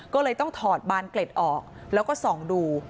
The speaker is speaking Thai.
ก็เลยต้องถอดบานเกล็ดออกแล้วก็ส่องดู